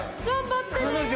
頑張ってね！